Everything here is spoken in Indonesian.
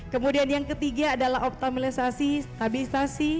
kemudian yang ketiga adalah optimalisasi stabilisasi produksi pangan strategis melalui subsidi akut